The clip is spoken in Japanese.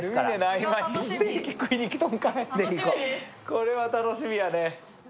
これは楽しみやね。